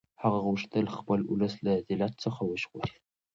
هغه غوښتل خپل اولس له ذلت څخه وژغوري.